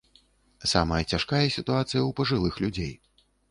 Самая цяжкая сітуацыя ў пажылых людзей.